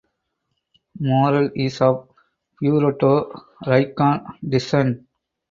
Morel is of Puerto Rican descent.